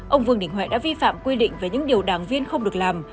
ông vương đình huệ đã vi phạm quy định về những điều đảng viên không được làm